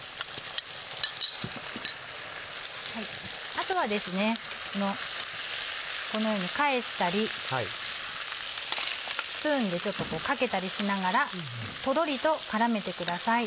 あとはこのように返したりスプーンでちょっとかけたりしながらとろりと絡めてください。